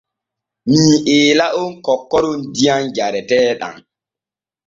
Mi eela on kokkoron diyam jareteeɗam.